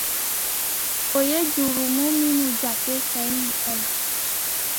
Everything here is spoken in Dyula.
U ye jurumu minnu jate cɛnin kɔ la.